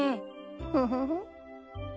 フフフ。